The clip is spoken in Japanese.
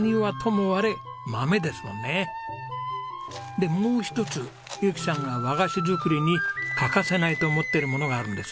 でもう一つ由紀さんが和菓子作りに欠かせないと思ってるものがあるんです。